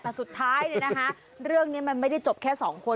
แต่สุดท้ายเนี่ยนะคะเรื่องนี้มันไม่ได้จบแค่สองคน